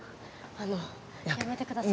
あのやめてください